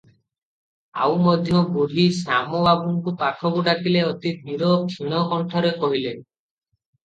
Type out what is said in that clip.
ଆଉ ମଧ୍ୟ ବୁଢ଼ୀ ଶ୍ୟାମ ବାବୁଙ୍କୁ ପାଖକୁ ଡାକିଲେ- ଅତି ଧୀର କ୍ଷୀଣ କଣ୍ଠରେ କହିଲେ-